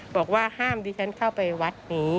บอกว่าห้ามดิฉันเข้าไปวัดนี้